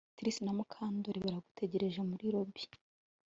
Trix na Mukandoli baragutegereje muri lobby